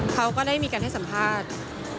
เขาก็ได้มีการให้สัมภาษณ์